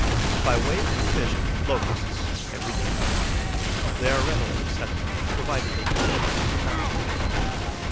By way of provision, Locusts, every day. They are readily accepted, provided they be tender and not too large.